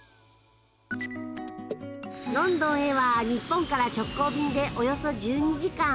ロンドンへは日本から直行便でおよそ１２時間。